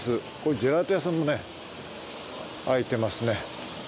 ジェラート屋さんも開いてますね。